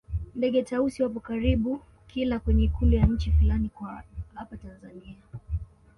Ndege Tausi wapo karibu kila kwenye ikulu ya nchi fulani kwa hapa tanzania